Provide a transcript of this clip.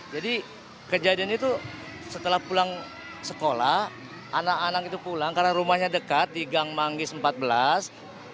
jadi kejadian itu setelah pulang sekolah anak anak itu pulang karena rumahnya dekat di gang manggis empat belas